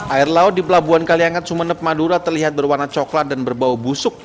air laut di pelabuhan kaliangat sumeneb madura terlihat berwarna coklat dan berbau busuk